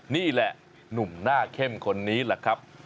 นี่แหละหนุ่มหน้าเข้มคนนี้แหละครับ